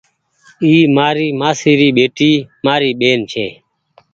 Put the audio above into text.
اي مآر مآسي ري ٻيٽي مآر ٻيهن ڇي۔